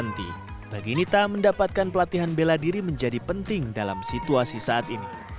bagi nita mendapatkan pelatihan bela diri menjadi penting dalam situasi saat ini